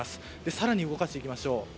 更に動かしていきましょう。